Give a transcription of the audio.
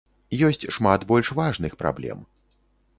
Ёсць шмат больш важных праблем.